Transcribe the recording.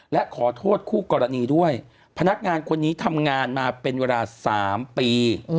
และขอโทษคู่กรณีด้วยพนักงานคนนี้ทำงานมาเป็นเวลา๓ปี